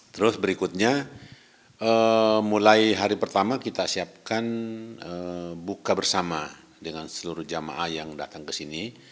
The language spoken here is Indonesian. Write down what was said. terus berikutnya mulai hari pertama kita siapkan buka bersama dengan seluruh jamaah yang datang ke sini